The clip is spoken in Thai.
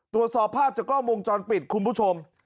ตรวจสอบภาพจากกล้องวงจรปิดคุณผู้ชม